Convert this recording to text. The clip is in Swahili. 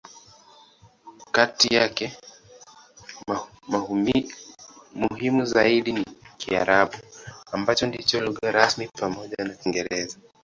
Kati yake, muhimu zaidi ni Kiarabu, ambacho ndicho lugha rasmi pamoja na Kiingereza.